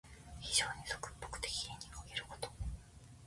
非情に俗っぽくて、気品にかけること。